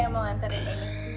saya mau hantar ini